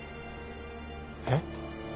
えっ？